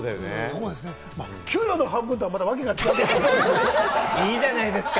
給料の半分とはまた訳が違ういいじゃないですか！